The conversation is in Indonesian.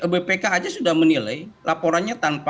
bpkh aja sudah menilai laporannya tanpa apa